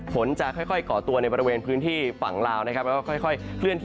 ผลจะค่อยก่อตัวบริเวณพื้นที่ฝั่งลาวก็ค่อย